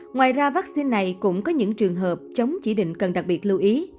ngoài ra vắc xin này cũng có những trường hợp chống chỉ định cần đặc biệt lưu ý